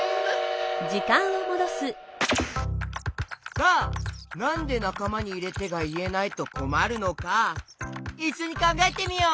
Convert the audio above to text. さあなんで「なかまにいれて」がいえないとこまるのかいっしょにかんがえてみよう！